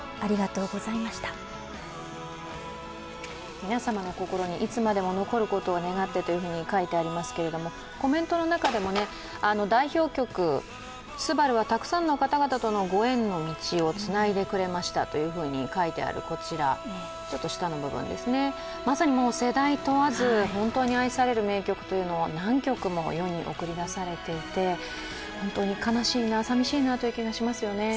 皆様の心にいつまでも残ることを願ってと書いてありますけれども、コメントの中でも代表曲「昴−すばる−」はたくさんの方々とのご縁の道をつないでくれましたと書いてあるこちら、下の部分ですね、まさに世代問わず、本当に愛される名曲を何曲も世に送り出されていて、本当に悲しいな、寂しいなという気がしますよね。